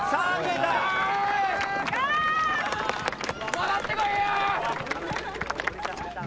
戻ってこいよ！